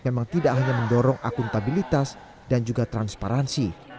memang tidak hanya mendorong akuntabilitas dan juga transparansi